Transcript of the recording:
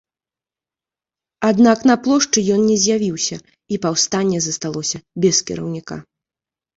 Аднак на плошчы ён не з'явіўся, і паўстанне засталося без кіраўніка.